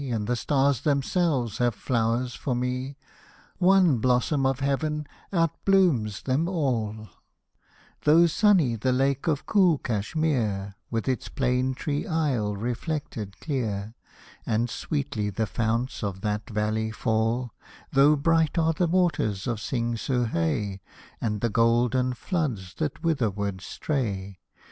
And the stars themselves have flowers for me, One blossom of Heaven out blooms them all I 126 Hosted by Google PARADISE AND THE PERI 127 ^' Though sunny the Lake of cool Cashmere, With its plane tree Isle reflected clear, And sweetly the founts of that Valley fall ; Though bright are the waters of Sing SU hay, And the golden floods that thitherward stray.